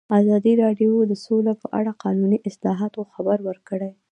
ازادي راډیو د سوله په اړه د قانوني اصلاحاتو خبر ورکړی.